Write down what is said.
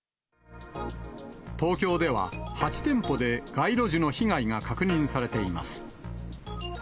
東京では、８店舗で街路樹の被害が確認されています。